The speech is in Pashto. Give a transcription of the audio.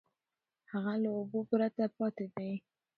هغه له اوبو پرته پاتې دی.